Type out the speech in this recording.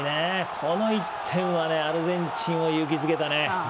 この１点はアルゼンチンを勇気づけたね。